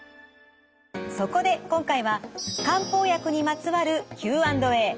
そこで今回は漢方薬にまつわるＱ＆Ａ。